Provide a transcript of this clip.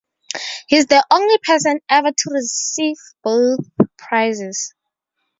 He is the only person ever to receive both prizes.